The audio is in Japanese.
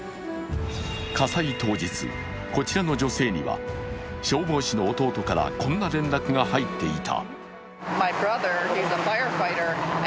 火災当日、こちらの女性には消防士の弟からこんな連絡が入っていた。